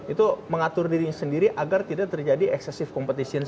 itu mengatur diri sendiri agar tidak terjadi eksesif kompetisi